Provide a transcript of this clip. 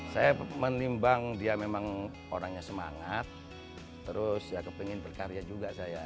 saya menimbang dia memang orangnya semangat terus ya kepengen berkarya juga saya